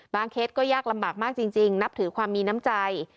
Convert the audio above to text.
เคสก็ยากลำบากมากจริงนับถือความมีน้ำใจ